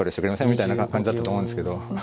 みたいな感じだったと思うんですけど。